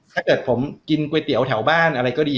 ถ้าเกิดผมกินก๋วยเตี๋ยวแถวบ้านอะไรก็ดี